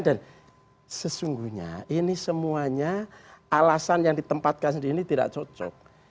dan sesungguhnya ini semuanya alasan yang ditempatkan sendiri ini tidak cocok